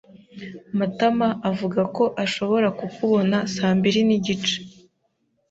Matama avuga ko ashobora kukubona saa mbiri n'igice.